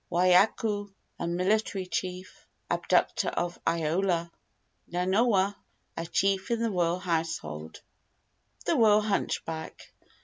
Waikuku, a military chief, abductor of Iola. Nanoa, a chief in the royal household. THE ROYAL HUNCHBACK.